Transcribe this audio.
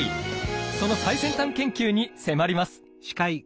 その最先端研究に迫ります。